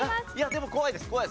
でも怖いです。